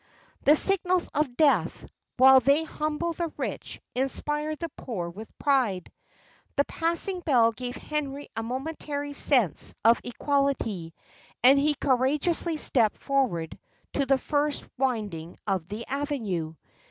The signals of death, while they humble the rich, inspire the poor with pride. The passing bell gave Henry a momentary sense of equality; and he courageously stepped forward to the first winding of the avenue.